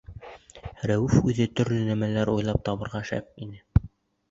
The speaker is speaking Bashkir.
Рәүеф үҙе төрлө нәмәләр уйлап табыуға шәп ине.